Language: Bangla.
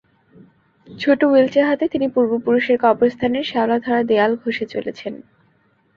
ছোট বেলচা হাতে তিনি পূর্বপুরুষের কবরস্থানের শেওলা ধরা দেয়াল ঘষে চলেছেন।